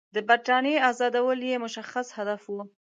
د برټانیې آزادول یې مشخص هدف وو.